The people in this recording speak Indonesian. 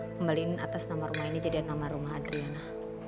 kembalin atas nama rumah ini jadi nama rumah adriana